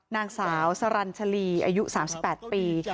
นางสาวสรรชลีอายุ๓๘ปี